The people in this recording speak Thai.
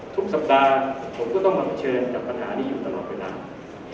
ทุกสัปดาห์ผมก็ต้องเผชิญกับปัญหานี้อยู่ตลอดเวลา